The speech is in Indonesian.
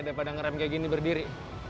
daripada ngerem kayak gini berdiri